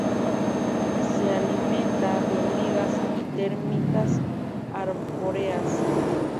Se alimenta de hormigas y termitas arbóreas.